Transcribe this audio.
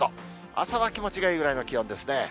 朝は気持ちがいいぐらいの気温ですね。